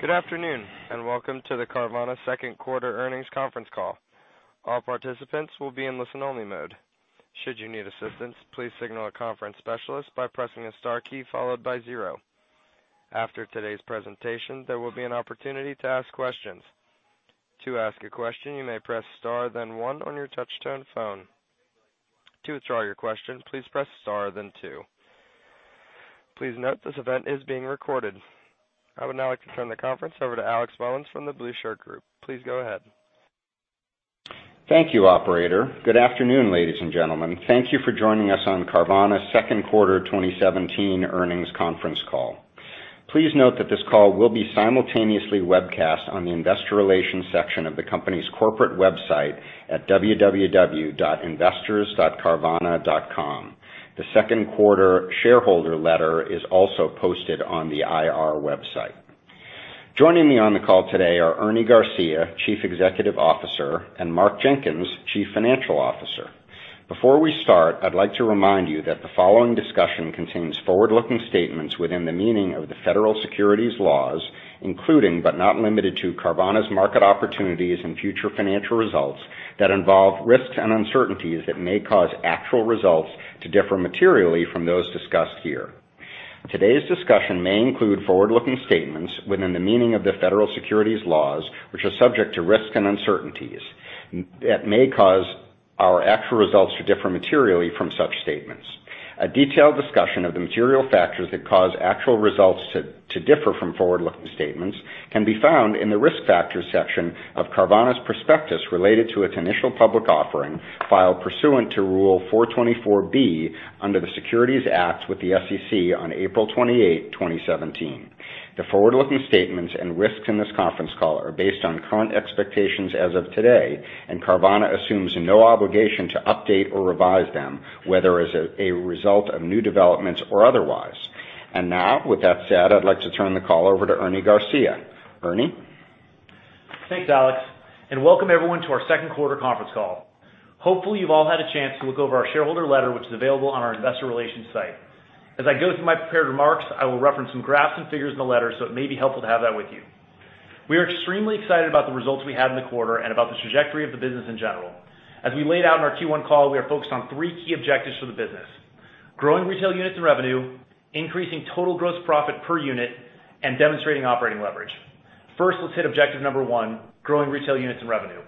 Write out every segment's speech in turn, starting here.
Good afternoon, and welcome to the Carvana second quarter earnings conference call. All participants will be in listen only mode. Should you need assistance, please signal a conference specialist by pressing the star key followed by zero. After today's presentation, there will be an opportunity to ask questions. To ask a question, you may press star then one on your touch-tone phone. To withdraw your question, please press star then two. Please note this event is being recorded. I would now like to turn the conference over to Alex Mullins from the Blue Shirt Group. Please go ahead. Thank you, operator. Good afternoon, ladies and gentlemen. Thank you for joining us on Carvana's second quarter 2017 earnings conference call. Please note that this call will be simultaneously webcast on the investor relations section of the company's corporate website at www.investors.carvana.com. The second quarter shareholder letter is also posted on the IR website. Joining me on the call today are Ernie Garcia, Chief Executive Officer, and Mark Jenkins, Chief Financial Officer. Before we start, I'd like to remind you that the following discussion contains forward-looking statements within the meaning of the federal securities laws, including but not limited to Carvana's market opportunities and future financial results that involve risks and uncertainties that may cause actual results to differ materially from those discussed here. Today's discussion may include forward-looking statements within the meaning of the federal securities laws, which are subject to risks and uncertainties that may cause our actual results to differ materially from such statements. A detailed discussion of the material factors that cause actual results to differ from forward-looking statements can be found in the Risk Factors section of Carvana's prospectus related to its initial public offering, filed pursuant to Rule 424(b) under the Securities Act with the SEC on April 28th, 2017. The forward-looking statements and risks in this conference call are based on current expectations as of today, Carvana assumes no obligation to update or revise them, whether as a result of new developments or otherwise. Now, with that said, I'd like to turn the call over to Ernie Garcia. Ernie? Thanks, Alex, and welcome everyone to our second quarter conference call. Hopefully, you've all had a chance to look over our shareholder letter, which is available on our investor relations site. As I go through my prepared remarks, I will reference some graphs and figures in the letter, so it may be helpful to have that with you. We are extremely excited about the results we had in the quarter and about the trajectory of the business in general. As we laid out in our Q1 call, we are focused on three key objectives for the business: growing retail units and revenue, increasing total gross profit per unit, and demonstrating operating leverage. First, let's hit objective number one, growing retail units and revenue.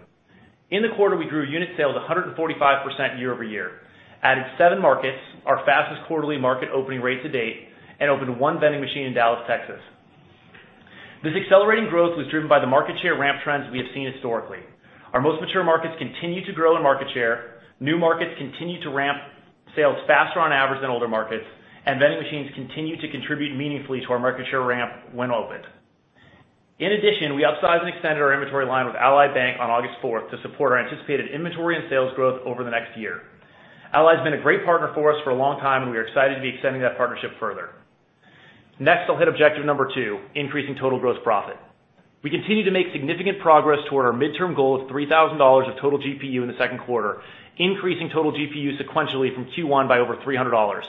In the quarter, we grew unit sales 145% year-over-year, added seven markets, our fastest quarterly market opening rate to date, and opened one vending machine in Dallas, Texas. This accelerating growth was driven by the market share ramp trends we have seen historically. Our most mature markets continue to grow in market share. New markets continue to ramp sales faster on average than older markets, and vending machines continue to contribute meaningfully to our market share ramp when opened. In addition, we upsized and extended our inventory line with Ally Bank on August 4th to support our anticipated inventory and sales growth over the next year. Ally's been a great partner for us for a long time, and we are excited to be extending that partnership further. Next, I'll hit objective number two, increasing total gross profit. We continue to make significant progress toward our midterm goal of $3,000 of total GPU in the second quarter, increasing total GPU sequentially from Q1 by over $300.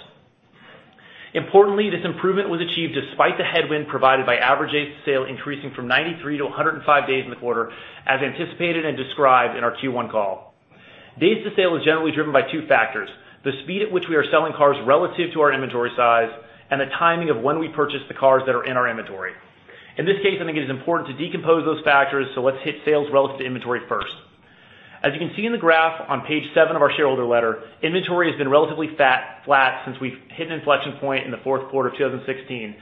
Importantly, this improvement was achieved despite the headwind provided by average days to sale increasing from 93 to 105 days in the quarter, as anticipated and described in our Q1 call. Days to sale is generally driven by two factors, the speed at which we are selling cars relative to our inventory size and the timing of when we purchase the cars that are in our inventory. In this case, I think it is important to decompose those factors, so let's hit sales relative to inventory first. As you can see in the graph on page seven of our shareholder letter, inventory has been relatively flat since we've hit an inflection point in the fourth quarter of 2016.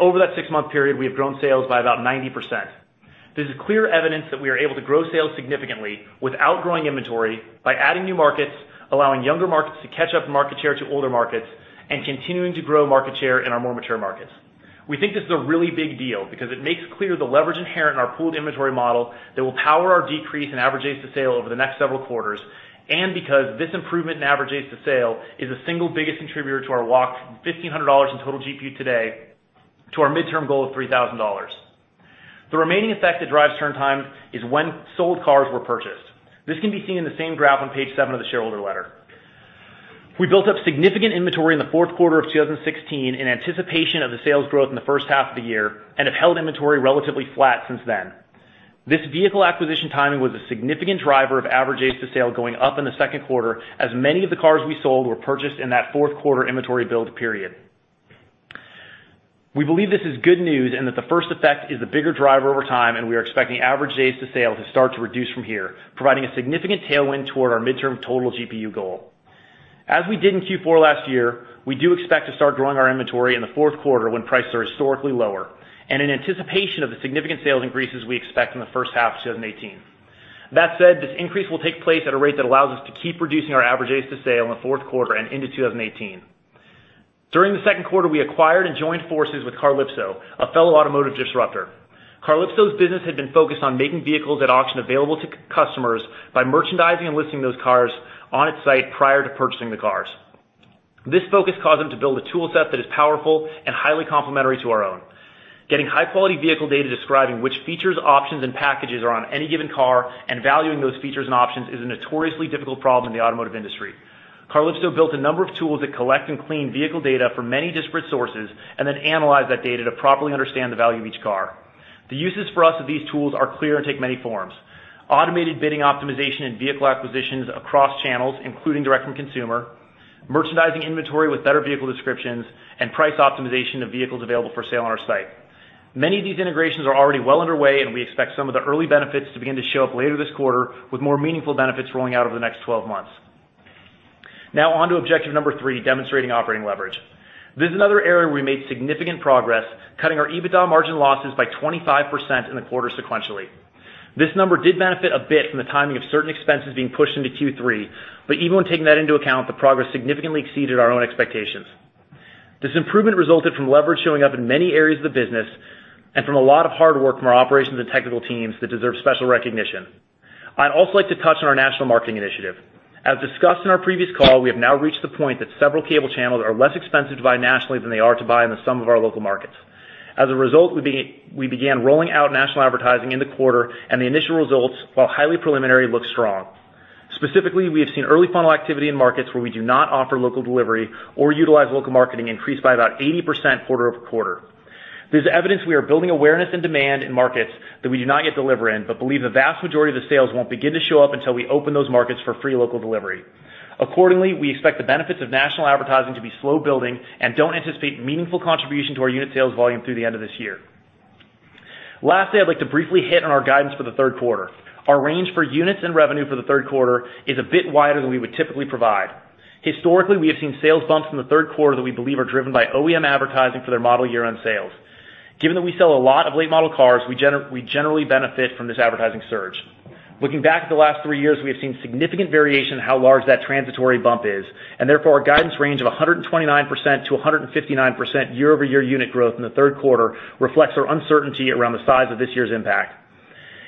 Over that six-month period, we have grown sales by about 90%. This is clear evidence that we are able to grow sales significantly without growing inventory by adding new markets, allowing younger markets to catch up market share to older markets, and continuing to grow market share in our more mature markets. We think this is a really big deal because it makes clear the leverage inherent in our pooled inventory model that will power our decrease in average days to sale over the next several quarters, and because this improvement in average days to sale is the single biggest contributor to our walk from $1,500 in total GPU today to our midterm goal of $3,000. The remaining effect that drives turn time is when sold cars were purchased. This can be seen in the same graph on page seven of the shareholder letter. We built up significant inventory in the fourth quarter of 2016 in anticipation of the sales growth in the first half of the year and have held inventory relatively flat since then. This vehicle acquisition timing was a significant driver of average days to sale going up in the second quarter, as many of the cars we sold were purchased in that fourth quarter inventory build period. We believe this is good news and that the first effect is the bigger driver over time, and we are expecting average days to sale to start to reduce from here, providing a significant tailwind toward our midterm total GPU goal. As we did in Q4 last year, we do expect to start growing our inventory in the fourth quarter when prices are historically lower and in anticipation of the significant sales increases we expect in the first half of 2018. That said, this increase will take place at a rate that allows us to keep reducing our average days to sale in the fourth quarter and into 2018. During the second quarter, we acquired and joined forces with Carlypso, a fellow automotive disruptor. Carlypso's business had been focused on making vehicles at auction available to customers by merchandising and listing those cars on its site prior to purchasing the cars. This focus caused them to build a toolset that is powerful and highly complementary to our own. Getting high-quality vehicle data describing which features, options, and packages are on any given car and valuing those features and options is a notoriously difficult problem in the automotive industry. Carlypso built a number of tools that collect and clean vehicle data from many disparate sources and then analyze that data to properly understand the value of each car. The uses for us of these tools are clear and take many forms. Automated bidding optimization and vehicle acquisitions across channels, including direct from consumer, merchandising inventory with better vehicle descriptions, and price optimization of vehicles available for sale on our site. Many of these integrations are already well underway, and we expect some of the early benefits to begin to show up later this quarter with more meaningful benefits rolling out over the next 12 months. Now on to objective number 3, demonstrating operating leverage. This is another area where we made significant progress, cutting our EBITDA margin losses by 25% in the quarter sequentially. This number did benefit a bit from the timing of certain expenses being pushed into Q3, but even when taking that into account, the progress significantly exceeded our own expectations. This improvement resulted from leverage showing up in many areas of the business and from a lot of hard work from our operations and technical teams that deserve special recognition. I'd also like to touch on our national marketing initiative. As discussed in our previous call, we have now reached the point that several cable channels are less expensive to buy nationally than they are to buy in some of our local markets. As a result, we began rolling out national advertising in the quarter, and the initial results, while highly preliminary, look strong. Specifically, we have seen early funnel activity in markets where we do not offer local delivery or utilize local marketing increase by about 80% quarter-over-quarter. There's evidence we are building awareness and demand in markets that we do not yet deliver in, but believe the vast majority of the sales won't begin to show up until we open those markets for free local delivery. Accordingly, we expect the benefits of national advertising to be slow building and don't anticipate meaningful contribution to our unit sales volume through the end of this year. Lastly, I'd like to briefly hit on our guidance for the third quarter. Our range for units and revenue for the third quarter is a bit wider than we would typically provide. Historically, we have seen sales bumps in the third quarter that we believe are driven by OEM advertising for their model year-end sales. Given that we sell a lot of late-model cars, we generally benefit from this advertising surge. Looking back at the last 3 years, we have seen significant variation in how large that transitory bump is. Therefore, our guidance range of 129%-159% year-over-year unit growth in the third quarter reflects our uncertainty around the size of this year's impact.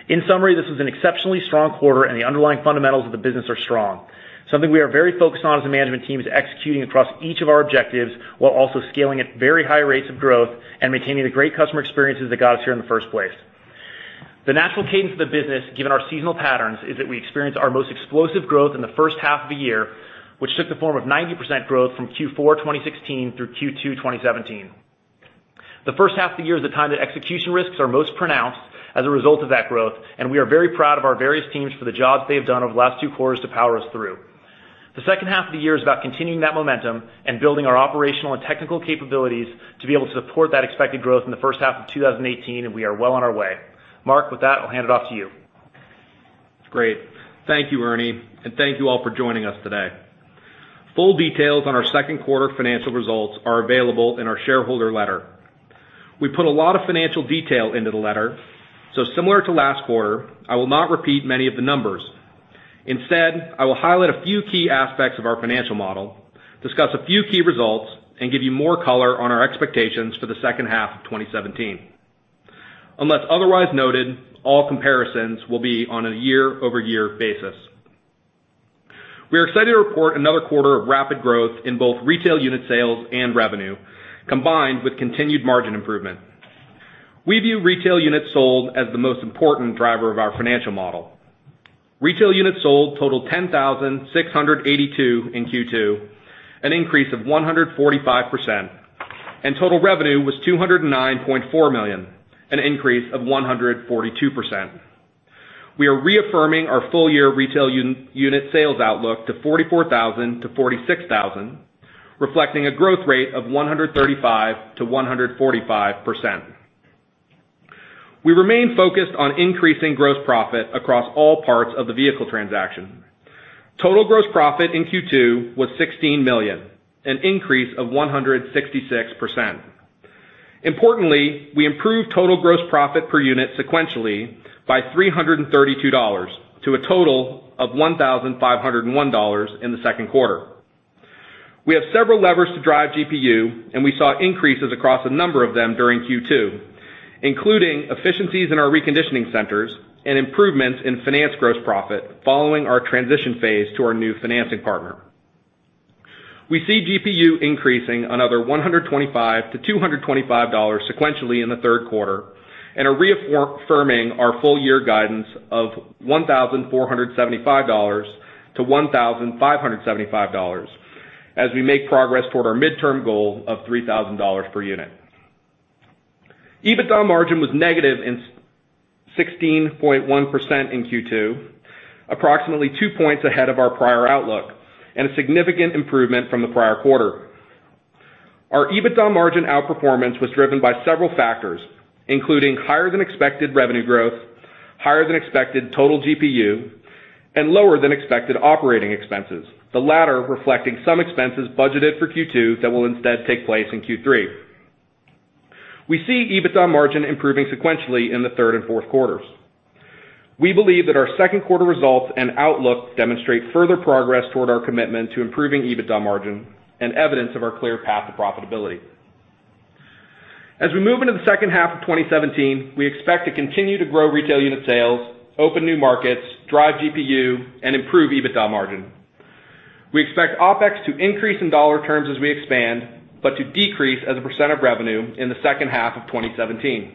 In summary, this was an exceptionally strong quarter. The underlying fundamentals of the business are strong. Something we are very focused on as a management team is executing across each of our objectives while also scaling at very high rates of growth and maintaining the great customer experiences that got us here in the first place. The natural cadence of the business, given our seasonal patterns, is that we experience our most explosive growth in the first half of the year, which took the form of 90% growth from Q4 2016 through Q2 2017. The first half of the year is the time that execution risks are most pronounced as a result of that growth. We are very proud of our various teams for the jobs they've done over the last two quarters to power us through. The second half of the year is about continuing that momentum and building our operational and technical capabilities to be able to support that expected growth in the first half of 2018. We are well on our way. Mark, with that, I'll hand it off to you. Great. Thank you, Ernie. Thank you all for joining us today. Full details on our second quarter financial results are available in our shareholder letter. We put a lot of financial detail into the letter. Similar to last quarter, I will not repeat many of the numbers. Instead, I will highlight a few key aspects of our financial model, discuss a few key results, and give you more color on our expectations for the second half of 2017. Unless otherwise noted, all comparisons will be on a year-over-year basis. We are excited to report another quarter of rapid growth in both retail unit sales and revenue, combined with continued margin improvement. We view retail units sold as the most important driver of our financial model. Retail units sold totaled 10,682 in Q2, an increase of 145%. Total revenue was $209.4 million, an increase of 142%. We are reaffirming our full-year retail unit sales outlook to 44,000-46,000, reflecting a growth rate of 135%-145%. We remain focused on increasing gross profit across all parts of the vehicle transaction. Total gross profit in Q2 was $16 million, an increase of 166%. Importantly, we improved total gross profit per unit sequentially by $332 to a total of $1,501 in the second quarter. We have several levers to drive GPU. We saw increases across a number of them during Q2, including efficiencies in our reconditioning centers and improvements in finance gross profit following our transition phase to our new financing partner. We see GPU increasing another $125-$225 sequentially in the third quarter and are reaffirming our full-year guidance of $1,475-$1,575 as we make progress toward our midterm goal of $3,000 per unit. EBITDA margin was negative 16.1% in Q2, approximately two points ahead of our prior outlook and a significant improvement from the prior quarter. Our EBITDA margin outperformance was driven by several factors, including higher than expected revenue growth, higher than expected total GPU, and lower than expected operating expenses, the latter reflecting some expenses budgeted for Q2 that will instead take place in Q3. We see EBITDA margin improving sequentially in the third and fourth quarters. We believe that our second quarter results and outlook demonstrate further progress toward our commitment to improving EBITDA margin and evidence of our clear path to profitability. As we move into the second half of 2017, we expect to continue to grow retail unit sales, open new markets, drive GPU, and improve EBITDA margin. We expect OpEx to increase in dollar terms as we expand, but to decrease as a % of revenue in the second half of 2017.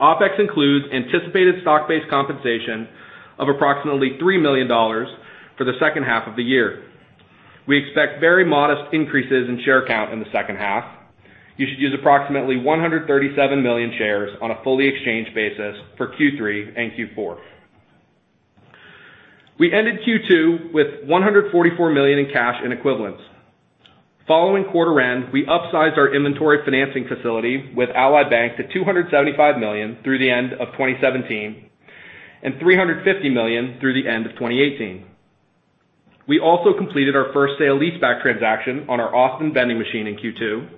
OpEx includes anticipated stock-based compensation of approximately $3 million for the second half of the year. We expect very modest increases in share count in the second half. You should use approximately 137 million shares on a fully exchanged basis for Q3 and Q4. We ended Q2 with $144 million in cash and equivalents. Following quarter end, we upsized our inventory financing facility with Ally Bank to $275 million through the end of 2017 and $350 million through the end of 2018. We also completed our first sale leaseback transaction on our Austin vending machine in Q2,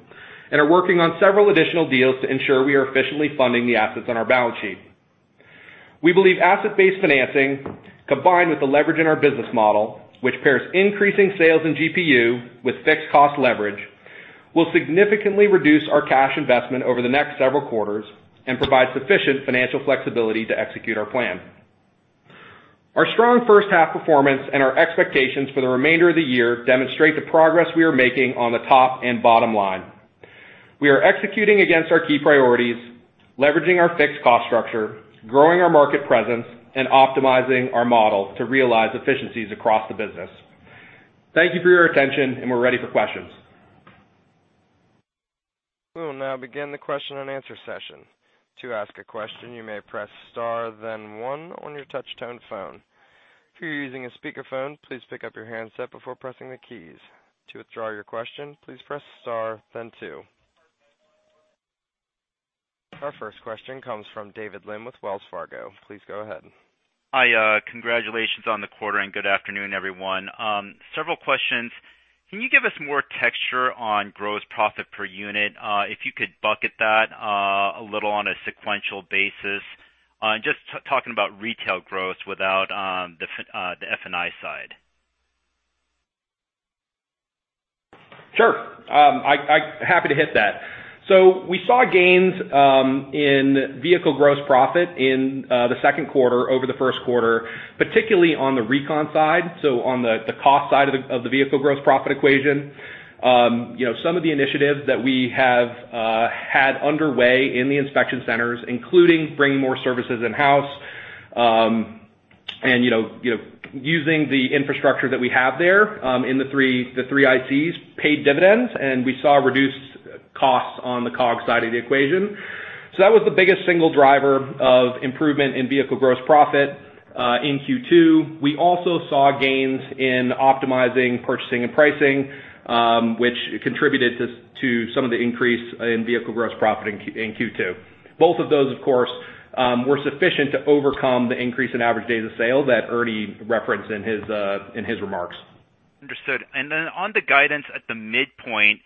and are working on several additional deals to ensure we are efficiently funding the assets on our balance sheet. We believe asset-based financing, combined with the leverage in our business model, which pairs increasing sales and GPU with fixed cost leverage, will significantly reduce our cash investment over the next several quarters and provide sufficient financial flexibility to execute our plan. Our strong first-half performance and our expectations for the remainder of the year demonstrate the progress we are making on the top and bottom line. We are executing against our key priorities, leveraging our fixed cost structure, growing our market presence, and optimizing our model to realize efficiencies across the business. Thank you for your attention. We're ready for questions. We will now begin the question and answer session. To ask a question, you may press star then one on your touch-tone phone. If you're using a speakerphone, please pick up your handset before pressing the keys. To withdraw your question, please press star then two. Our first question comes from David Lim with Wells Fargo. Please go ahead. Hi, congratulations on the quarter, and good afternoon, everyone. Several questions. Can you give us more texture on gross profit per unit? If you could bucket that a little on a sequential basis, just talking about retail gross without the F&I side. Sure. Happy to hit that. We saw gains in vehicle gross profit in the second quarter over the first quarter, particularly on the recon side. On the cost side of the vehicle gross profit equation. Some of the initiatives that we have had underway in the inspection centers, including bringing more services in-house, and using the infrastructure that we have there in the three ICs paid dividends, and we saw reduced costs on the COGS side of the equation. That was the biggest single driver of improvement in vehicle gross profit in Q2. We also saw gains in optimizing purchasing and pricing, which contributed to some of the increase in vehicle gross profit in Q2. Both of those, of course, were sufficient to overcome the increase in average days of sale that Ernie referenced in his remarks. Understood. On the guidance at the midpoint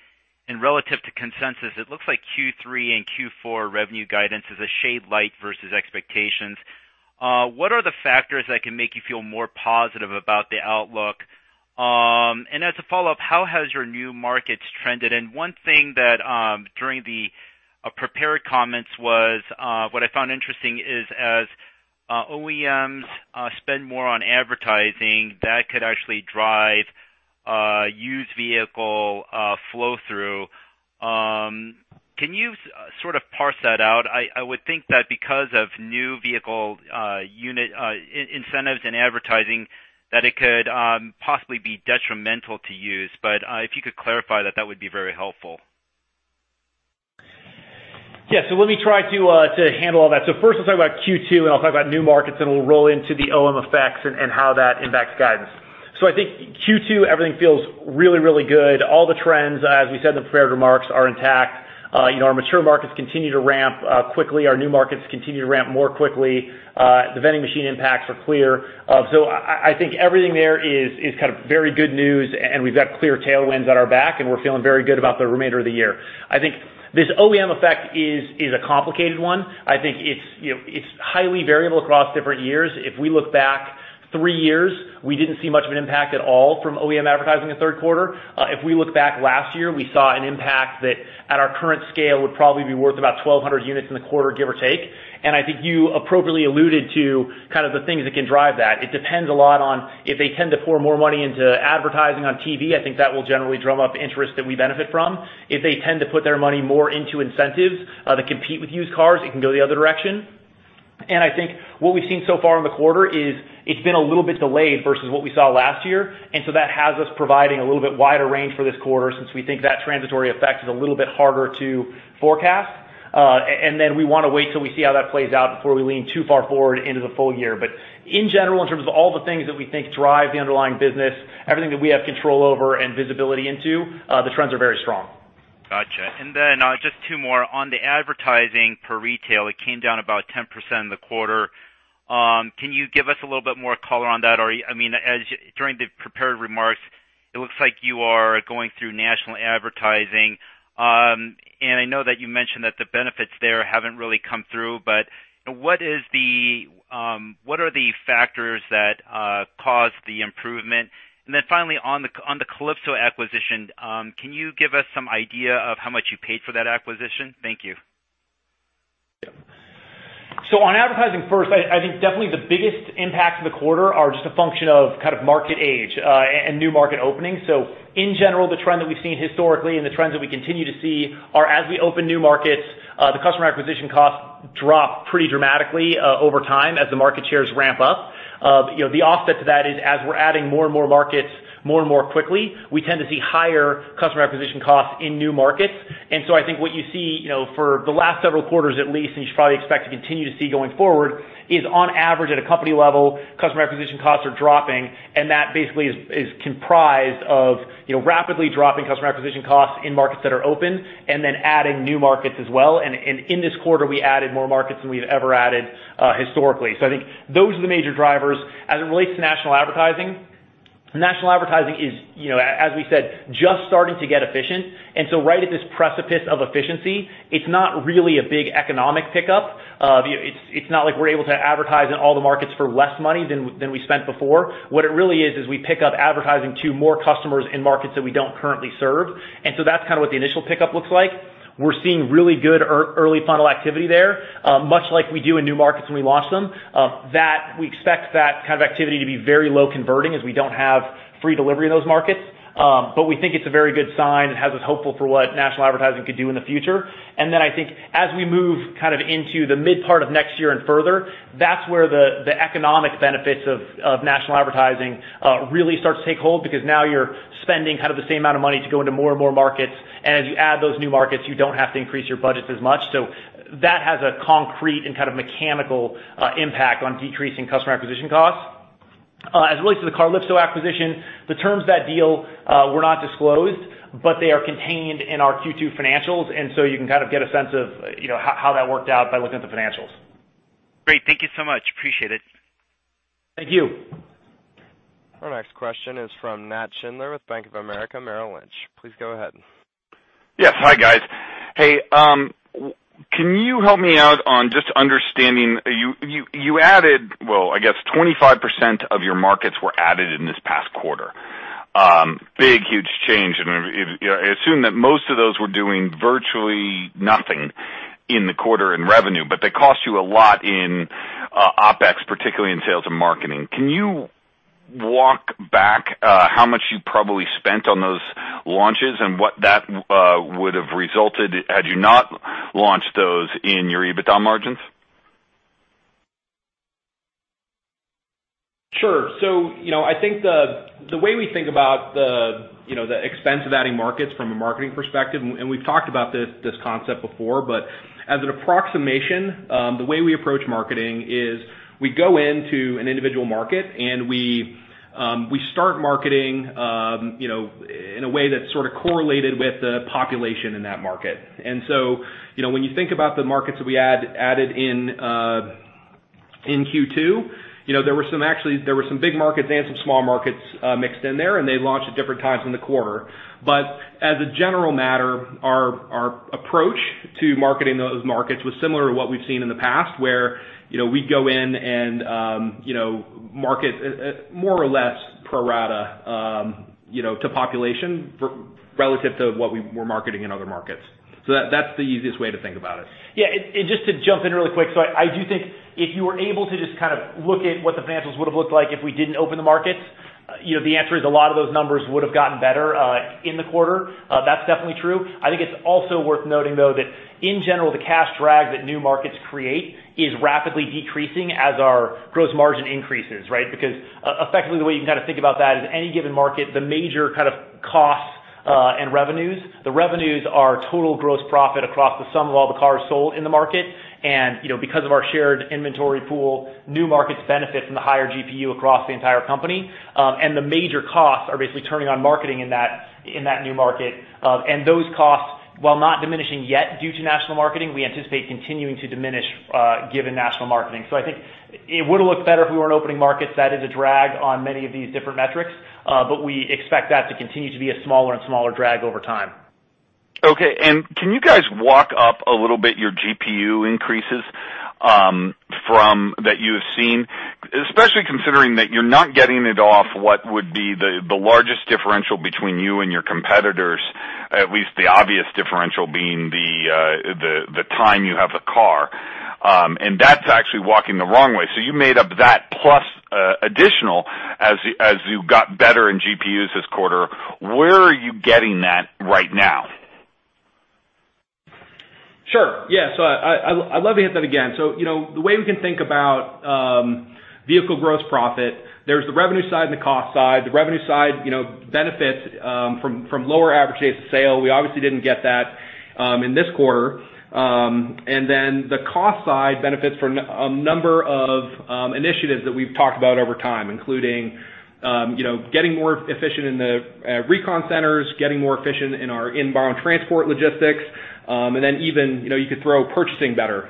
and relative to consensus, it looks like Q3 and Q4 revenue guidance is a shade light versus expectations. What are the factors that can make you feel more positive about the outlook? As a follow-up, how has your new markets trended? One thing that during the prepared comments was, what I found interesting is as OEMs spend more on advertising, that could actually drive used vehicle flow-through. Can you sort of parse that out? I would think that because of new vehicle unit incentives and advertising, that it could possibly be detrimental to used, but if you could clarify that would be very helpful. Yeah. Let me try to handle all that. First I'll talk about Q2, and I'll talk about new markets, and we'll roll into the OEM effects and how that impacts guidance. I think Q2, everything feels really, really good. All the trends, as we said in the prepared remarks, are intact. Our mature markets continue to ramp quickly. Our new markets continue to ramp more quickly. The vending machine impacts are clear. I think everything there is kind of very good news and we've got clear tailwinds at our back and we're feeling very good about the remainder of the year. I think this OEM effect is a complicated one. I think it's highly variable across different years. If we look back three years, we didn't see much of an impact at all from OEM advertising in the third quarter. If we look back last year, we saw an impact that at our current scale, would probably be worth about 1,200 units in the quarter, give or take. I think you appropriately alluded to kind of the things that can drive that. It depends a lot on if they tend to pour more money into advertising on TV, I think that will generally drum up interest that we benefit from. If they tend to put their money more into incentives to compete with used cars, it can go the other direction. I think what we've seen so far in the quarter is it's been a little bit delayed versus what we saw last year, that has us providing a little bit wider range for this quarter since we think that transitory effect is a little bit harder to forecast. We want to wait till we see how that plays out before we lean too far forward into the full year. In general, in terms of all the things that we think drive the underlying business, everything that we have control over and visibility into, the trends are very strong. Got you. Just two more. On the advertising per retail, it came down about 10% in the quarter. Can you give us a little bit more color on that? During the prepared remarks, it looks like you are going through national advertising. I know that you mentioned that the benefits there haven't really come through, but what are the factors that caused the improvement? Finally, on the Carlypso acquisition, can you give us some idea of how much you paid for that acquisition? Thank you. On advertising first, I think definitely the biggest impacts of the quarter are just a function of market age, and new market opening. In general, the trend that we've seen historically and the trends that we continue to see are as we open new markets, the customer acquisition costs drop pretty dramatically over time as the market shares ramp up. The offset to that is as we're adding more and more markets more and more quickly, we tend to see higher customer acquisition costs in new markets. I think what you see for the last several quarters at least, and you should probably expect to continue to see going forward, is on average at a company level, customer acquisition costs are dropping, that basically is comprised of rapidly dropping customer acquisition costs in markets that are open and then adding new markets as well. In this quarter, we added more markets than we've ever added historically. I think those are the major drivers. As it relates to national advertising, national advertising is, as we said, just starting to get efficient. Right at this precipice of efficiency, it's not really a big economic pickup. It's not like we're able to advertise in all the markets for less money than we spent before. What it really is we pick up advertising to more customers in markets that we don't currently serve. That's what the initial pickup looks like. We're seeing really good early funnel activity there, much like we do in new markets when we launch them. We expect that kind of activity to be very low converting as we don't have free delivery in those markets. We think it's a very good sign and has us hopeful for what national advertising could do in the future. I think as we move into the mid part of next year and further, that's where the economic benefits of national advertising really start to take hold because now you're spending the same amount of money to go into more and more markets, and as you add those new markets, you don't have to increase your budgets as much. That has a concrete and mechanical impact on decreasing customer acquisition costs. As it relates to the Carlypso acquisition, the terms of that deal were not disclosed, but they are contained in our Q2 financials, you can get a sense of how that worked out by looking at the financials. Great. Thank you so much. Appreciate it. Thank you. Our next question is from Nat Schindler with Bank of America Merrill Lynch. Please go ahead. Yes. Hi, guys. Hey, can you help me out on just understanding, you added, I guess 25% of your markets were added in this past quarter. Big, huge change, and I assume that most of those were doing virtually nothing in the quarter in revenue, but they cost you a lot in OpEx, particularly in sales and marketing. Can you walk back how much you probably spent on those launches and what that would've resulted had you not launched those in your EBITDA margins? Sure. I think the way we think about the expense of adding markets from a marketing perspective, and we've talked about this concept before, but as an approximation, the way we approach marketing is we go into an individual market, and we start marketing in a way that's sort of correlated with the population in that market. When you think about the markets that we added in Q2, actually there were some big markets and some small markets mixed in there, and they launched at different times in the quarter. As a general matter, our approach to marketing those markets was similar to what we've seen in the past, where we go in and market more or less pro rata to population relative to what we were marketing in other markets. That's the easiest way to think about it. Yeah, and just to jump in really quick. I do think if you were able to just look at what the financials would've looked like if we didn't open the markets, the answer is a lot of those numbers would've gotten better in the quarter. That's definitely true. I think it's also worth noting, though, that in general, the cash drag that new markets create is rapidly decreasing as our gross margin increases, right? Because effectively the way you can think about that is any given market, the major costs and revenues. The revenues are total gross profit across the sum of all the cars sold in the market. Because of our shared inventory pool, new markets benefit from the higher GPU across the entire company. The major costs are basically turning on marketing in that new market. Those costs, while not diminishing yet due to national marketing, we anticipate continuing to diminish given national marketing. I think it would've looked better if we weren't opening markets. That is a drag on many of these different metrics. We expect that to continue to be a smaller and smaller drag over time. Okay. Can you guys walk up a little bit your GPU increases that you have seen? Especially considering that you're not getting it off what would be the largest differential between you and your competitors, at least the obvious differential being the time you have the car. That's actually walking the wrong way. You made up that plus additional as you got better in GPUs this quarter. Where are you getting that right now? Sure. Yeah. I'd love to hit that again. The way we can think about vehicle gross profit, there's the revenue side and the cost side. The revenue side benefits from lower average days to sale. We obviously didn't get that in this quarter. The cost side benefits from a number of initiatives that we've talked about over time, including getting more efficient in the recon centers, getting more efficient in our inbound transport logistics. Even you could throw purchasing better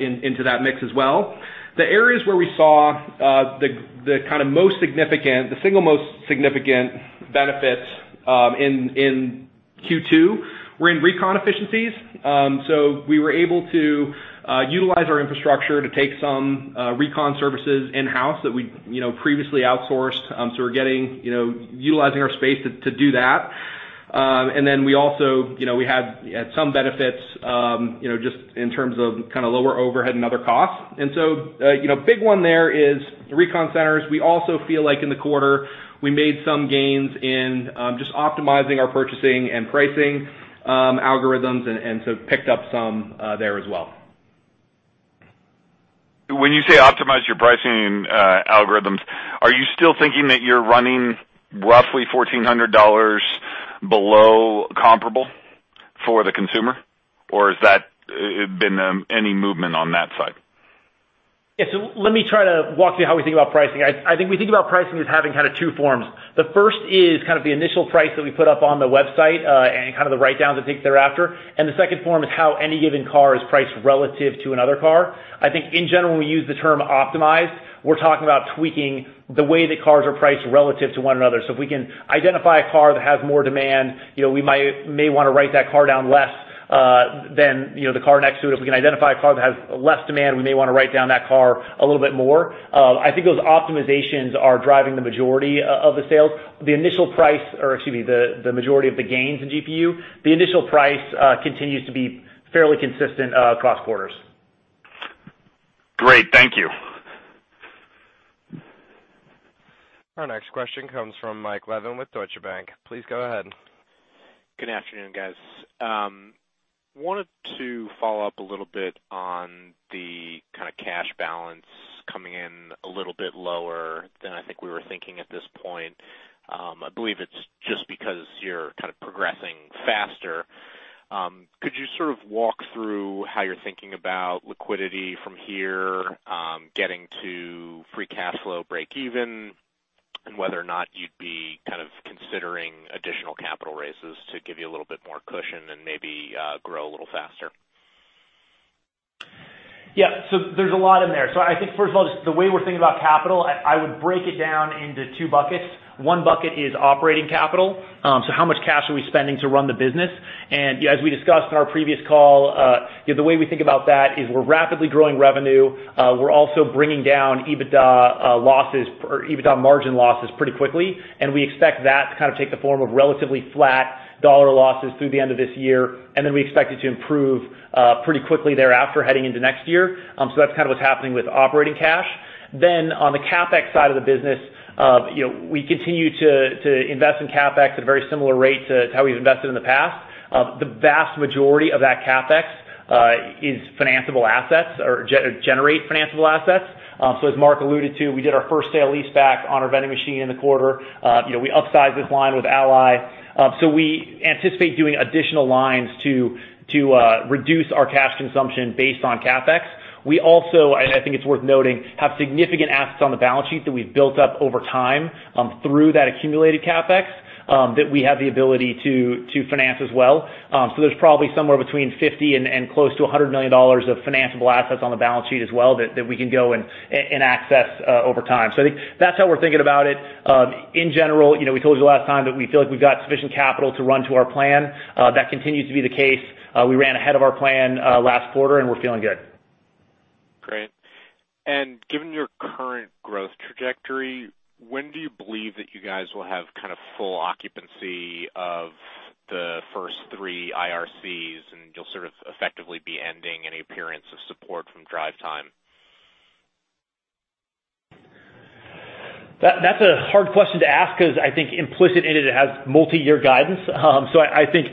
into that mix as well. The areas where we saw the single most significant benefits in Q2 were in recon efficiencies. We were able to utilize our infrastructure to take some recon services in-house that we previously outsourced. We're utilizing our space to do that. We also had some benefits just in terms of lower overhead and other costs. Big one there is recon centers. We also feel like in the quarter, we made some gains in just optimizing our purchasing and pricing algorithms and picked up some there as well. When you say optimize your pricing algorithms, are you still thinking that you're running roughly $1,400 below comparable for the consumer? Has there been any movement on that side? Yeah. Let me try to walk through how we think about pricing. I think we think about pricing as having two forms. The first is the initial price that we put up on the website, and the write-downs that take thereafter. The second form is how any given car is priced relative to another car. I think in general, when we use the term optimize, we're talking about tweaking the way that cars are priced relative to one another. If we can identify a car that has more demand, we may want to write that car down less than the car next to it. If we can identify a car that has less demand, we may want to write down that car a little bit more. I think those optimizations are driving the majority of the sales. The initial price, or excuse me, the majority of the gains in GPU. The initial price continues to be fairly consistent across quarters. Great. Thank you. Our next question comes from Michael Levin with Deutsche Bank. Please go ahead. Good afternoon, guys. I wanted to follow up a little bit on the cash balance coming in a little bit lower than I think we were thinking at this point. I believe it's just because you're progressing faster. Could you sort of walk through how you're thinking about liquidity from here, getting to free cash flow breakeven, and whether or not you'd be considering additional capital raises to give you a little bit more cushion and maybe grow a little faster? There's a lot in there. I think first of all, just the way we're thinking about capital, I would break it down into two buckets. One bucket is operating capital. How much cash are we spending to run the business? As we discussed in our previous call, the way we think about that is we're rapidly growing revenue. We're also bringing down EBITDA margin losses pretty quickly, and we expect that to take the form of relatively flat $ losses through the end of this year. We expect it to improve pretty quickly thereafter heading into next year. That's what's happening with operating cash. On the CapEx side of the business, we continue to invest in CapEx at a very similar rate to how we've invested in the past. The vast majority of that CapEx is financable assets or generate financable assets. As Mark alluded to, we did our first sale leaseback on our vending machine in the quarter. We upsized this line with Ally. We anticipate doing additional lines to reduce our cash consumption based on CapEx. We also, and I think it's worth noting, have significant assets on the balance sheet that we've built up over time through that accumulated CapEx, that we have the ability to finance as well. There's probably somewhere between $50 million and close to $100 million of financable assets on the balance sheet as well that we can go and access over time. I think that's how we're thinking about it. In general, we told you last time that we feel like we've got sufficient capital to run to our plan. That continues to be the case. We ran ahead of our plan last quarter, we're feeling good. Great. Given your current growth trajectory, when do you believe that you guys will have full occupancy of the first three IRCs, and you'll sort of effectively be ending any appearance of support from DriveTime? That's a hard question to ask because I think implicit in it has multi-year guidance. I think,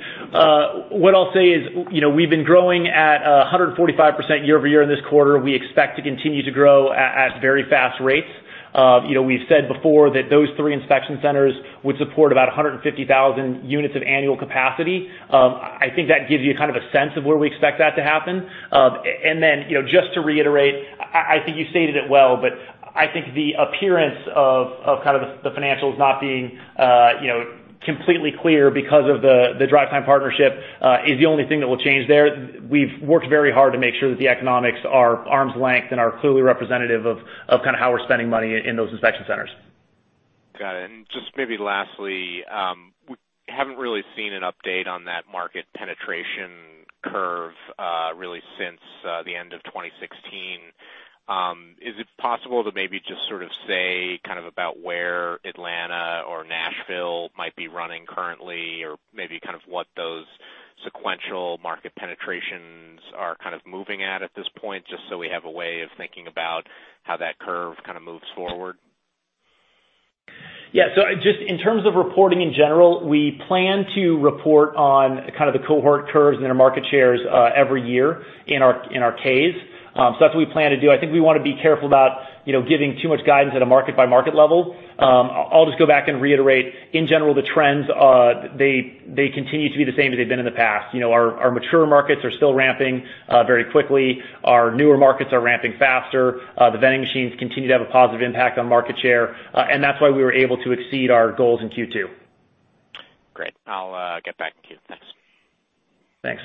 what I'll say is, we've been growing at 145% year-over-year in this quarter. We expect to continue to grow at very fast rates. We've said before that those three inspection centers would support about 150,000 units of annual capacity. I think that gives you a sense of where we expect that to happen. Just to reiterate, I think you stated it well, but I think the appearance of the financials not being completely clear because of the DriveTime partnership is the only thing that will change there. We've worked very hard to make sure that the economics are arms-length and are clearly representative of how we're spending money in those inspection centers. Got it. Just maybe lastly, we haven't really seen an update on that market penetration curve really since the end of 2016. Is it possible to maybe just sort of say about where Atlanta or Nashville might be running currently or maybe what those sequential market penetrations are moving at this point, just so we have a way of thinking about how that curve moves forward? Yeah. Just in terms of reporting in general, we plan to report on the cohort curves and their market shares every year in our case. That's what we plan to do. I think we want to be careful about giving too much guidance at a market-by-market level. I'll just go back and reiterate, in general, the trends, they continue to be the same as they've been in the past. Our mature markets are still ramping very quickly. Our newer markets are ramping faster. The vending machines continue to have a positive impact on market share. That's why we were able to exceed our goals in Q2. Great. I'll get back to you. Thanks. Thanks.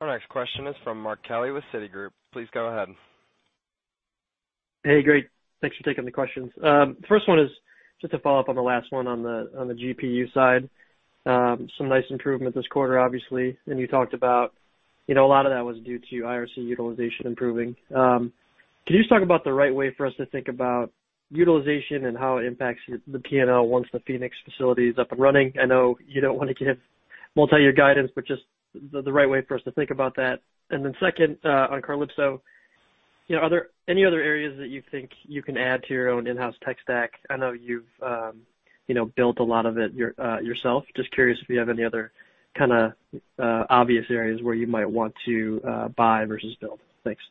Our next question is from Mark Kelley with Citigroup. Please go ahead. Hey, great. Thanks for taking the questions. The first one is just a follow-up on the last one on the GPU side. Some nice improvement this quarter, obviously. You talked about a lot of that was due to IRC utilization improving. Can you just talk about the right way for us to think about utilization and how it impacts the P&L once the Phoenix facility is up and running? I know you don't want to give multi-year guidance, just the right way for us to think about that. Second, on Carlypso, are there any other areas that you think you can add to your own in-house tech stack? I know you've built a lot of it yourself. Just curious if you have any other kind of obvious areas where you might want to buy versus build. Thanks.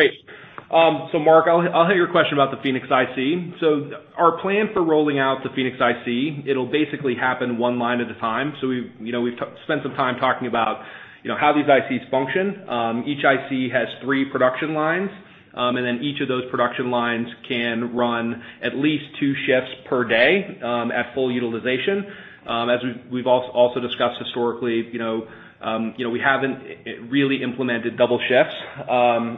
Great. Mark, I'll hit your question about the Phoenix IC. Our plan for rolling out the Phoenix IC, it'll basically happen one line at a time. We've spent some time talking about how these ICs function. Each IC has three production lines, each of those production lines can run at least two shifts per day at full utilization. As we've also discussed historically, we haven't really implemented double shifts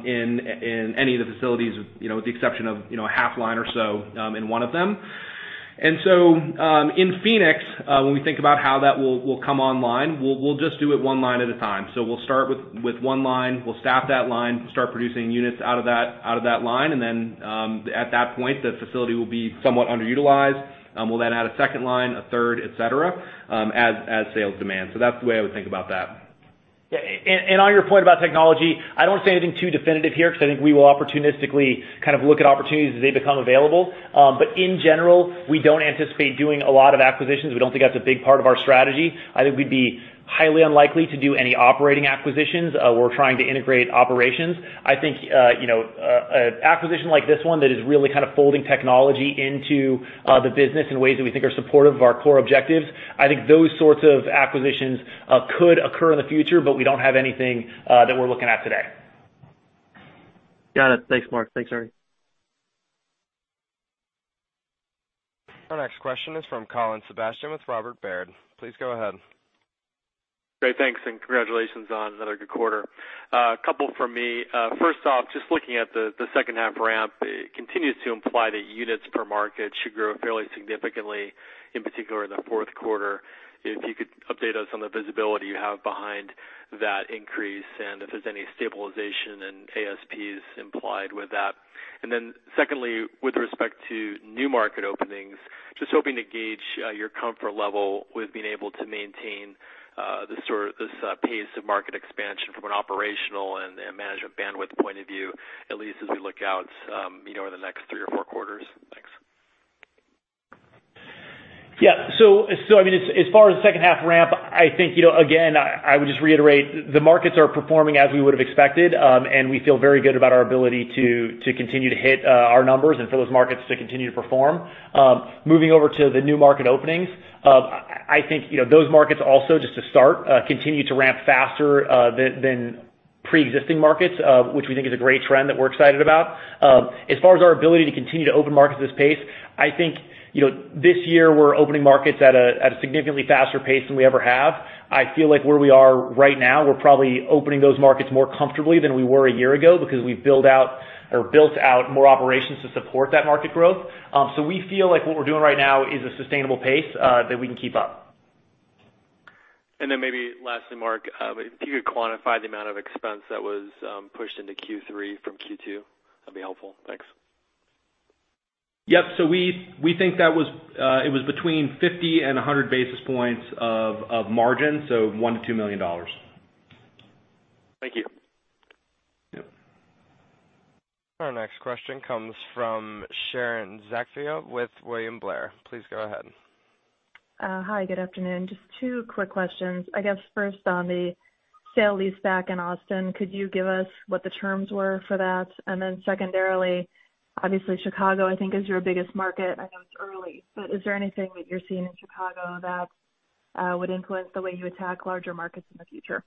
in any of the facilities, with the exception of a half line or so in one of them. In Phoenix, when we think about how that will come online, we'll just do it one line at a time. We'll start with one line, we'll staff that line, start producing units out of that line, and then, at that point, the facility will be somewhat underutilized. We'll add a second line, a third, et cetera, as sales demand. That's the way I would think about that. Yeah. On your point about technology, I don't want to say anything too definitive here because I think we will opportunistically kind of look at opportunities as they become available. In general, we don't anticipate doing a lot of acquisitions. We don't think that's a big part of our strategy. I think we'd be highly unlikely to do any operating acquisitions. We're trying to integrate operations. I think an acquisition like this one, that is really kind of folding technology into the business in ways that we think are supportive of our core objectives, I think those sorts of acquisitions could occur in the future, but we don't have anything that we're looking at today. Got it. Thanks, Mark. Thanks, Ernie. Our next question is from Colin Sebastian with Robert Baird. Please go ahead. Great, thanks. Congratulations on another good quarter. A couple from me. First off, just looking at the second half ramp, it continues to imply that units per market should grow fairly significantly, in particular in the fourth quarter. If you could update us on the visibility you have behind that increase, and if there's any stabilization in ASPs implied with that. Secondly, with respect to new market openings, just hoping to gauge your comfort level with being able to maintain this pace of market expansion from an operational and management bandwidth point of view, at least as we look out over the next three or four quarters. Thanks. Yeah. As far as the second half ramp, I think, again, I would just reiterate, the markets are performing as we would've expected. We feel very good about our ability to continue to hit our numbers and for those markets to continue to perform. Moving over to the new market openings, I think, those markets also, just to start, continue to ramp faster than preexisting markets, which we think is a great trend that we're excited about. As far as our ability to continue to open markets at this pace, I think, this year, we're opening markets at a significantly faster pace than we ever have. I feel like where we are right now, we're probably opening those markets more comfortably than we were a year ago because we've built out more operations to support that market growth. We feel like what we're doing right now is a sustainable pace that we can keep up. Maybe lastly, Mark, if you could quantify the amount of expense that was pushed into Q3 from Q2, that'd be helpful. Thanks. Yep. We think that it was between 50 and 100 basis points of margin, $1 million-$2 million. Thank you. Yep. Our next question comes from Sharon Zackfia with William Blair. Please go ahead. Hi, good afternoon. Just two quick questions. I guess first on the sale leaseback in Austin, could you give us what the terms were for that? Secondarily, obviously Chicago, I think, is your biggest market. I know it's early, but is there anything that you're seeing in Chicago that would influence the way you attack larger markets in the future?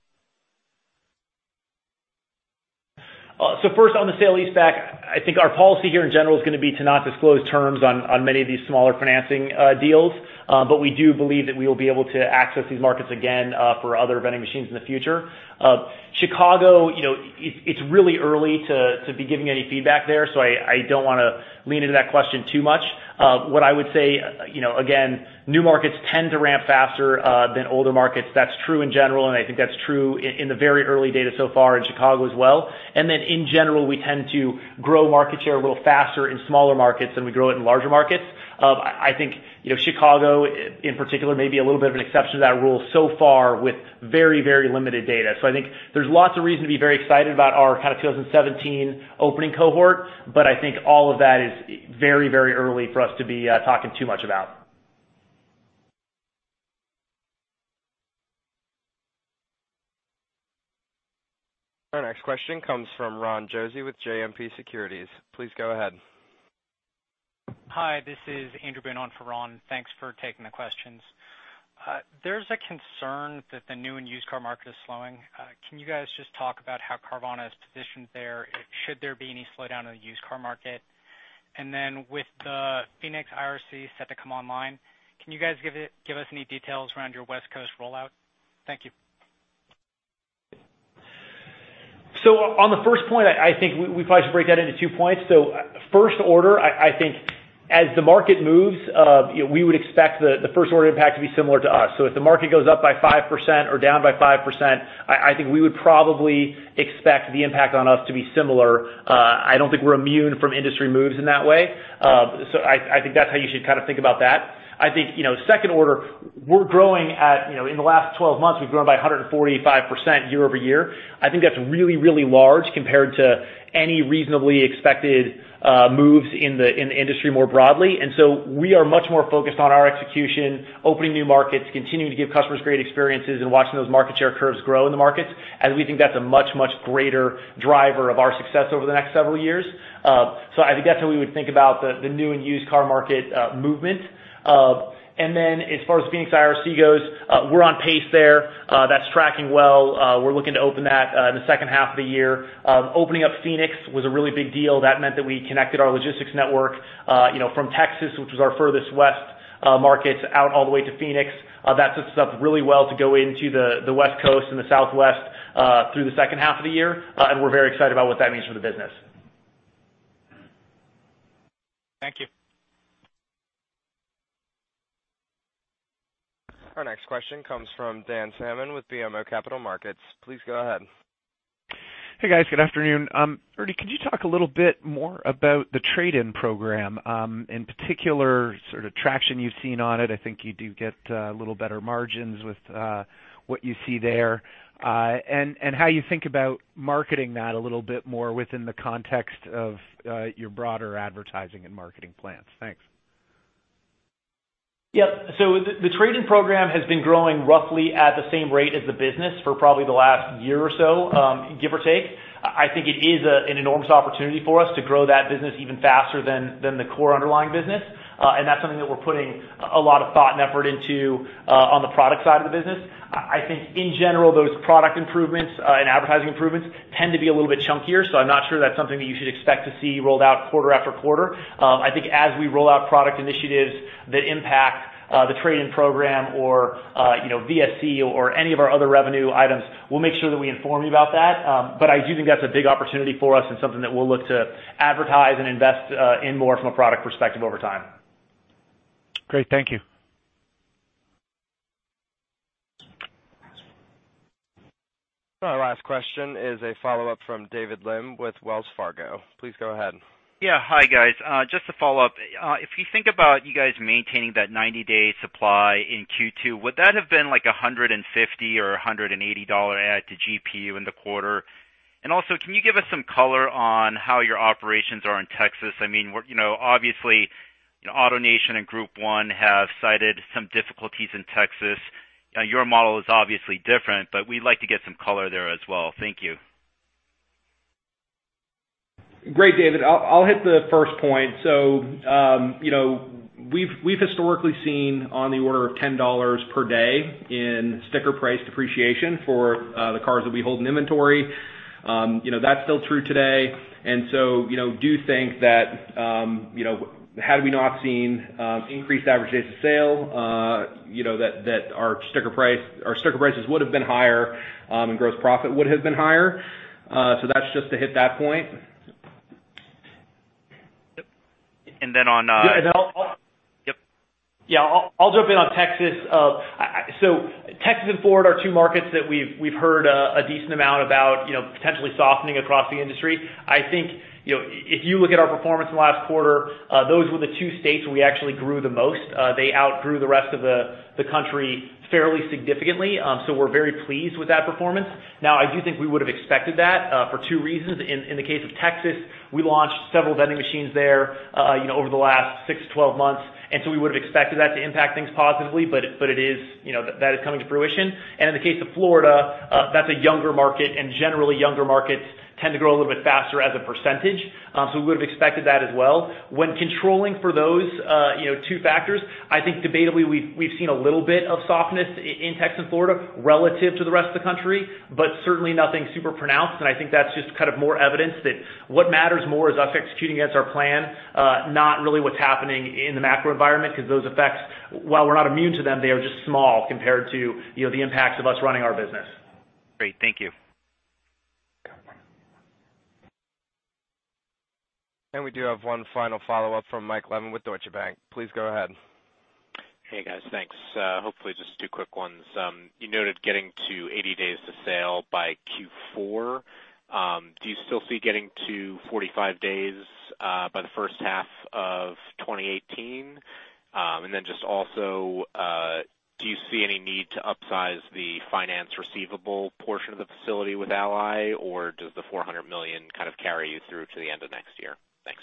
First on the sale leaseback, I think our policy here in general is going to be to not disclose terms on many of these smaller financing deals. We do believe that we will be able to access these markets again for other vending machines in the future. Chicago, it's really early to be giving any feedback there. I don't want to lean into that question too much. I would say, again, new markets tend to ramp faster than older markets. That's true in general, and I think that's true in the very early data so far in Chicago as well. In general, we tend to grow market share a little faster in smaller markets than we grow it in larger markets. Chicago in particular may be a little bit of an exception to that rule so far with very limited data. I think there's lots of reason to be very excited about our kind of 2017 opening cohort, I think all of that is very early for us to be talking too much about. Our next question comes from Ron Josey with JMP Securities. Please go ahead. Hi, this is Andrew Boone for Ron. Thanks for taking the questions. There's a concern that the new and used car market is slowing. Can you guys just talk about how Carvana is positioned there should there be any slowdown in the used car market? With the Phoenix IRC set to come online, can you guys give us any details around your West Coast rollout? Thank you. On the first point, I think we probably should break that into two points. First order, as the market moves, we would expect the first-order impact to be similar to us. If the market goes up by 5% or down by 5%, I think we would probably expect the impact on us to be similar. I don't think we're immune from industry moves in that way. I think that's how you should think about that. Second order, in the last 12 months, we've grown by 145% year-over-year. I think that's really large compared to any reasonably expected moves in the industry more broadly. We are much more focused on our execution, opening new markets, continuing to give customers great experiences, and watching those market share curves grow in the markets, as we think that's a much greater driver of our success over the next several years. I think that's how we would think about the new and used car market movement. As far as Phoenix IRC goes, we're on pace there. That's tracking well. We're looking to open that in the second half of the year. Opening up Phoenix was a really big deal. That meant that we connected our logistics network from Texas, which was our furthest west market, out all the way to Phoenix. That sets us up really well to go into the West Coast and the Southwest through the second half of the year. We're very excited about what that means for the business. Thank you. Our next question comes from Daniel Salmon with BMO Capital Markets. Please go ahead. Hey, guys. Good afternoon. Ernie, could you talk a little bit more about the trade-in program, in particular, traction you've seen on it? I think you do get a little better margins with what you see there. How you think about marketing that a little bit more within the context of your broader advertising and marketing plans. Thanks. Yep. The trade-in program has been growing roughly at the same rate as the business for probably the last year or so, give or take. I think it is an enormous opportunity for us to grow that business even faster than the core underlying business. That's something that we're putting a lot of thought and effort into on the product side of the business. I think, in general, those product improvements and advertising improvements tend to be a little bit chunkier, so I'm not sure that's something that you should expect to see rolled out quarter after quarter. I think as we roll out product initiatives that impact the trade-in program or VSC or any of our other revenue items, we'll make sure that we inform you about that. I do think that's a big opportunity for us and something that we'll look to advertise and invest in more from a product perspective over time. Great. Thank you. Our last question is a follow-up from David Lim with Wells Fargo. Please go ahead. Yeah. Hi, guys. Just to follow up, if you think about you guys maintaining that 90-day supply in Q2, would that have been like a $150 or $180 add to GPU in the quarter? Also, can you give us some color on how your operations are in Texas? Obviously, AutoNation and Group 1 have cited some difficulties in Texas. Your model is obviously different, but we'd like to get some color there as well. Thank you. Great, David. I'll hit the first point. We've historically seen on the order of $10 per day in sticker price depreciation for the cars that we hold in inventory. That's still true today. Do think that had we not seen increased average days of sale, that our sticker prices would've been higher, and gross profit would have been higher. That's just to hit that point. Yep. Then on- Yeah. Yep. Yeah, I'll jump in on Texas. Texas and Florida are two markets that we've heard a decent amount about potentially softening across the industry. I think, if you look at our performance in the last quarter, those were the two states where we actually grew the most. They outgrew the rest of the country fairly significantly, so we're very pleased with that performance. Now, I do think we would've expected that, for two reasons. In the case of Texas, we launched several vending machines there over the last six to 12 months. We would've expected that to impact things positively, but that is coming to fruition. In the case of Florida, that's a younger market, and generally, younger markets tend to grow a little bit faster as a percentage, so we would've expected that as well. When controlling for those two factors, I think debatably, we've seen a little bit of softness in Texas and Florida relative to the rest of the country, but certainly nothing super pronounced. I think that's just more evidence that what matters more is us executing against our plan, not really what's happening in the macro environment, because those effects, while we're not immune to them, they are just small compared to the impacts of us running our business. Great. Thank you. We do have one final follow-up from Michael Levin with Deutsche Bank. Please go ahead. Hey, guys. Thanks. Hopefully, just two quick ones. You noted getting to 80 days to sale by Q4. Do you still see getting to 45 days by the first half of 2018? Just also, do you see any need to upsize the finance receivable portion of the facility with Ally, or does the $400 million carry you through to the end of next year? Thanks.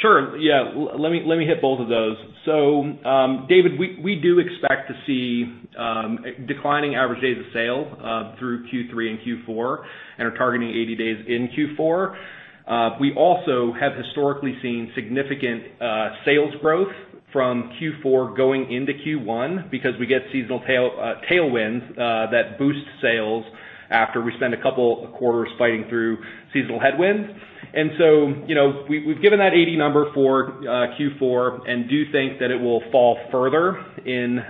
Sure. Yeah. Let me hit both of those. David, we do expect to see declining average days of sale through Q3 and Q4 and are targeting 80 days in Q4. We also have historically seen significant sales growth from Q4 going into Q1 because we get seasonal tailwinds that boost sales after we spend a couple of quarters fighting through seasonal headwinds. We've given that 80 number for Q4 and do think that it will fall further in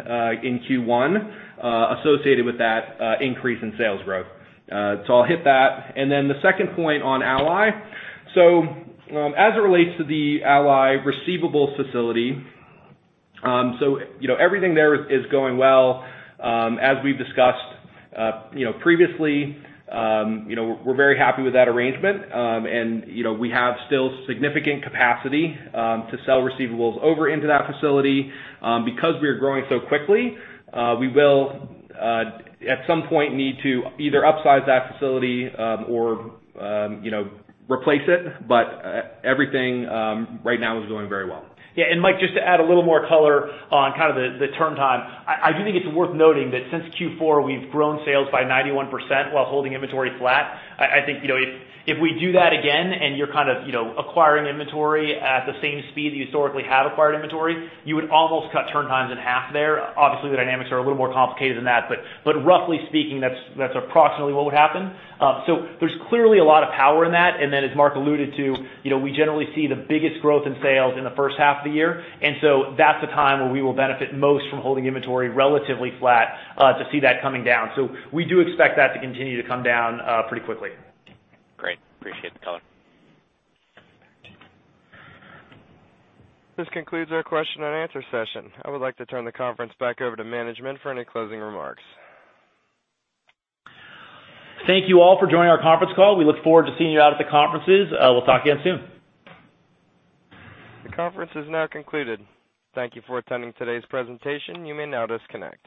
Q1 associated with that increase in sales growth. I'll hit that. The second point on Ally. As it relates to the Ally receivables facility, everything there is going well. As we've discussed previously, we're very happy with that arrangement. We have still significant capacity to sell receivables over into that facility. Because we are growing so quickly, we will, at some point, need to either upsize that facility or replace it, but everything right now is going very well. Yeah. Mike, just to add a little more color on the turn time. I do think it's worth noting that since Q4, we've grown sales by 91% while holding inventory flat. I think if we do that again, and you're acquiring inventory at the same speed that you historically have acquired inventory, you would almost cut turn times in half there. Obviously, the dynamics are a little more complicated than that, but roughly speaking, that's approximately what would happen. There's clearly a lot of power in that. As Mark alluded to, we generally see the biggest growth in sales in the first half of the year. That's the time where we will benefit most from holding inventory relatively flat to see that coming down. We do expect that to continue to come down pretty quickly. Great. Appreciate the color. This concludes our question and answer session. I would like to turn the conference back over to management for any closing remarks. Thank you all for joining our conference call. We look forward to seeing you out at the conferences. We'll talk again soon. The conference is now concluded. Thank you for attending today's presentation. You may now disconnect.